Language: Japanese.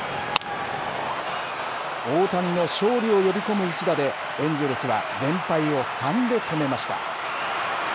大谷の勝利を呼び込む一打で、エンジェルスは連敗を３で止めました。